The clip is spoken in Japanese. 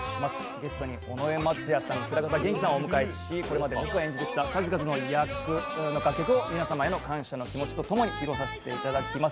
ゲストに尾上松也さん、平方元基さんをお迎えしこれまで僕が演じてきた数々の役の楽曲を皆様への感謝の気持ちとともに披露させていただきます。